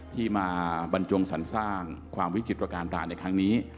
ที่มาบรรจงสรรสร้างความวิจิตรการในครั้งนี้